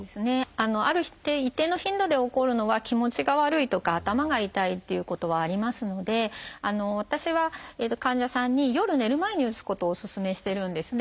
ある一定の頻度で起こるのは気持ちが悪いとか頭が痛いっていうことはありますので私は患者さんに夜寝る前に打つことをお勧めしてるんですね。